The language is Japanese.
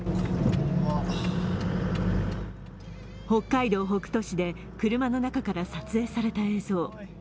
北海道北斗市で車の中から撮影された映像。